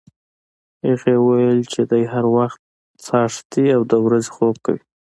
هغې ویل چې دی هر وخت څاښتي او د ورځې خوب کوي.